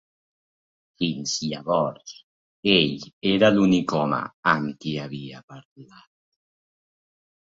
Fins llavors, ell era l'únic home amb qui havia parlat.